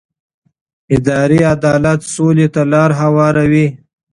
اداري عدالت سولې ته لاره هواروي